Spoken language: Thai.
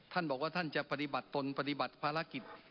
ท่านบอกว่าท่านจะปฏิบัติตนปฏิบัติภารกิจ